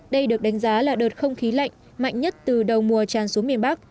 đây được đánh giá là đợt không khí lạnh mạnh nhất từ đầu mùa tràn xuống miền bắc